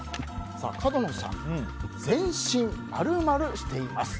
角野さん、全身○○しています。